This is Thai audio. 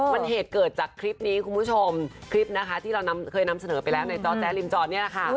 มันเหตุเกิดจากคลิปนี้คุณผู้ชมคลิปนะคะที่เราเคยนำเสนอไปแล้วในจอแจ๊ริมจอนี่แหละค่ะ